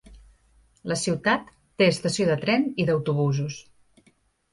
La ciutat té estació de tren i d'autobusos.